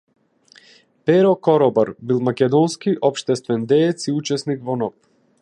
Перо Коробар бил македонски општествен деец и учесник во НОБ.